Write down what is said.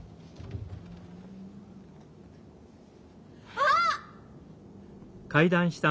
・あっ！